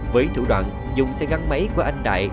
với thủ đoạn dùng xe gắn máy của anh đại